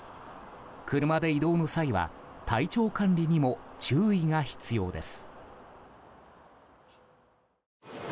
車で移動の際には体調管理にも注意が必要です。